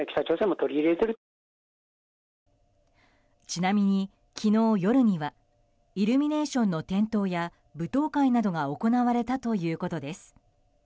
ちなみに昨日夜にはイルミネーションの点灯や舞踏会などが行われたということです。